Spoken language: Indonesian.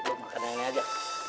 nih lo makan yang ini aja